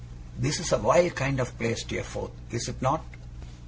'This is a wild kind of place, Steerforth, is it not?